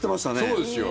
そうですよ。